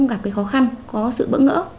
gặp cái khó khăn có sự bỡ ngỡ